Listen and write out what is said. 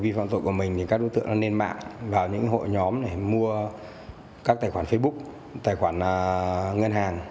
vi phạm tội của mình thì các đối tượng lên mạng vào những hội nhóm để mua các tài khoản facebook tài khoản ngân hàng